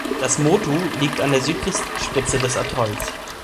Das Motu liegt an der südlichsten Spitze des Atolls.